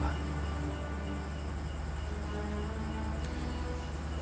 aku punya ide